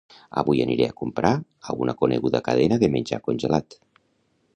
Avui aniré a comprar a una coneguda cadena de menjar congelat